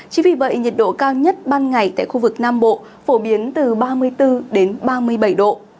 chỉ vì vậy nhiệt độ cao nhất ban ngày tại khu vực nam bộ phổ biến từ ba mươi bốn đến ba mươi bảy độ